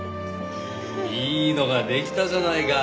いいのが出来たじゃないか。